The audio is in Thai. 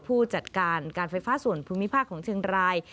ผู้จัดการการไฟฟ้าส่วนภูมิภาคของเชียงราย